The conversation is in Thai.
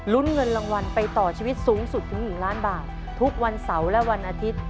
เงินรางวัลไปต่อชีวิตสูงสุดถึง๑ล้านบาททุกวันเสาร์และวันอาทิตย์